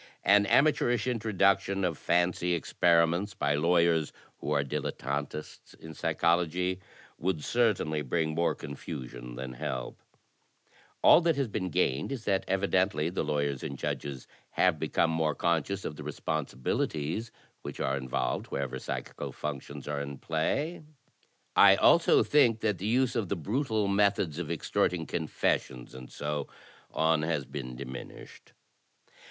An amateurish introduction of fancy experiments by lawyers who are dilettantists in psychology would certainly bring more confusion than help. All that has been gained is that evidently the lawyers and judges have become more conscious of the responsibilities which are involved wherever psychical functions are in play. I 84 THE TECHNIQUE OF THE MYSTERY STORY also think that the use of the brutal methods of extorting confessions and so on has been diminished."